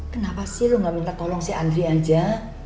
kenapa sih lo gak minta tolong si andri aja